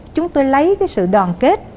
chúng tôi lấy sự đoàn kết